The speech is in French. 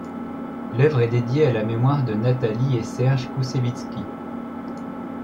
L'œuvre est dédiée à la mémoire de Nathalie et Serge Koussevitsky.